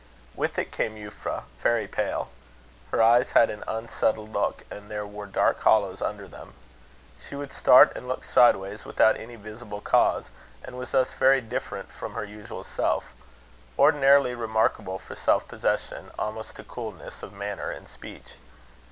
With it came Euphra, very pale. Her eyes had an unsettled look, and there were dark hollows under them. She would start and look sideways without any visible cause; and was thus very different from her usual self ordinarily remarkable for self possession, almost to coolness, of manner and speech.